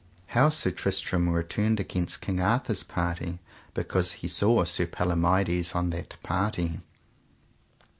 How Sir Tristram returned against King Arthur's party because he saw Sir Palomides on that party.